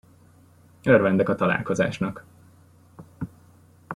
Örvendek a találkozásnak.